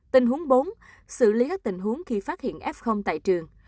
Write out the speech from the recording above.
tình huống bốn xử lý các tình huống khi phát hiện f tại trường